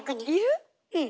うん。